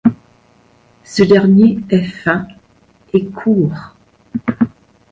Ce dernier est fin et court.